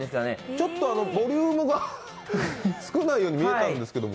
ちょっとボリュームが少ないように見えたんですけど。